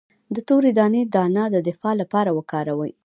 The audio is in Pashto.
د تورې دانې دانه د دفاع لپاره وکاروئ